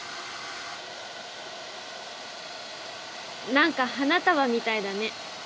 なんか『花束』みたいだね。